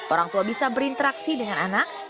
orang tua bisa berinteraksi dengan anak